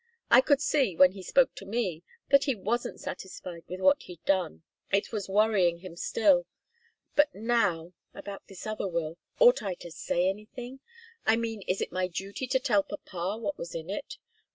I could see, when he spoke to me, that he wasn't satisfied with what he'd done. It was worrying him still. But now about this other will ought I to say anything? I mean, is it my duty to tell papa what was in it?"